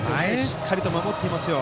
しっかり守っていますよ。